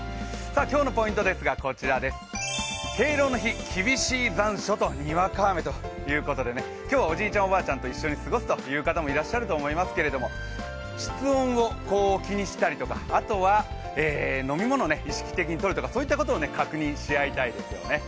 今日のポイントですが、こちらです敬老の日、厳しい残暑とにわか雨ということで今日、おじいちゃん、おばあちゃんと一緒に過ごす方もいらっしゃると思いますけれども、室温を気にしたりとか、あとは飲み物を意識的にとるとかそういったことを確認したいですね。